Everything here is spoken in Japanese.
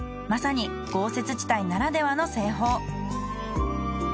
まさに豪雪地帯ならではの製法。